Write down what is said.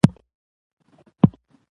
افغانستان د ولایتونو په برخه کې شهرت لري.